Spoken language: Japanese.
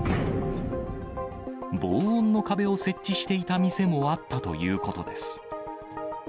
防音の壁を設置していた店もあったということです。